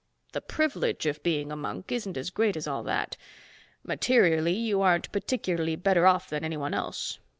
The privilege of being a monk isn't as great as all that. Materially, you aren't particularly better off than any one else.